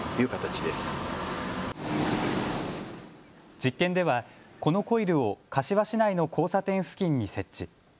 実験ではこのコイルを柏市内の交差点付近に設置。